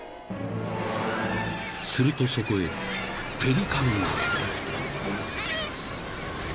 ［するとそこへペリカンが］